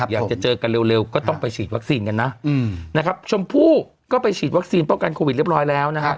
อยากจะเจอกันเร็วก็ต้องไปฉีดวัคซีนกันนะนะครับชมพู่ก็ไปฉีดวัคซีนป้องกันโควิดเรียบร้อยแล้วนะครับ